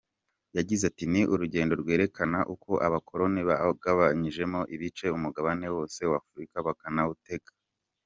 Yagize ati “Ni urugendo rwerekana uko abakoloni bagabanyijemo ibice umugabane wose wa Afurika, bakanawutegeka.